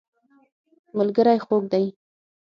ملګری خوږ دی.